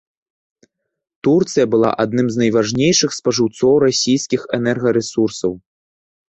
Турцыя была адным з найважнейшых спажыўцоў расійскіх энергарэсурсаў.